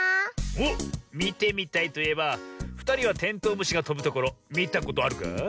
おっみてみたいといえばふたりはテントウムシがとぶところみたことあるか？